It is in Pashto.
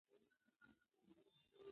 عبدالغني خان الکوزی يو زړور قومي مشر و.